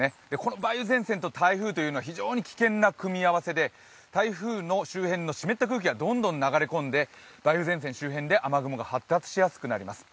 この梅雨前線と台風というのは非常に危険な組み合わせで台風の周辺の湿った空気がどんどん流れ込んで梅雨前線周辺で雨雲が発達しやすくなります。